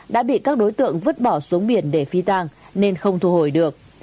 đã bị các đối tượng vứt bỏ xuống biển để phi tàng nên không thu hồi được